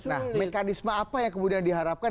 nah mekanisme apa yang kemudian diharapkan